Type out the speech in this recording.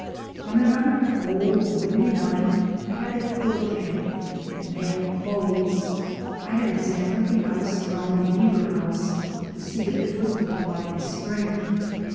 On another cold, windy night I had a poor camp and damp clothes. I had examined the ice around a beaver house to see if it was built by a spring.